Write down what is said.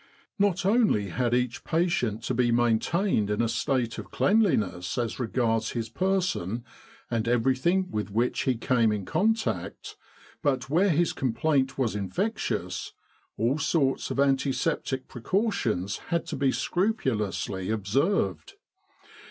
Not only had each patient to be maintained in a state of cleanliness as regards his per son and everything with which he came in contact, but where his complaint was infectious, all sorts of anti septic precautions had to be scrupulously observed.